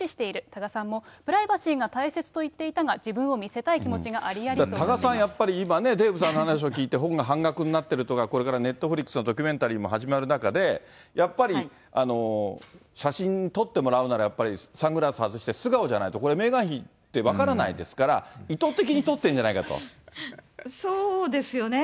多賀さんも、プライバシーが大切と言っていたが、自分を見せたい多賀さん、やっぱり今ね、デーブさんの話を聞いて、本が半額になってるとか、これからネットフリックスのドキュメンタリーも始まる中で、やっぱり写真撮ってもらうなら、やっぱりサングラス外して素顔じゃないと、これ、メーガン妃って分からないですから、そうですよね。